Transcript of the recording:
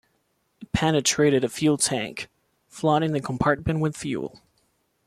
It penetrated a fuel tank, flooding the compartment with fuel.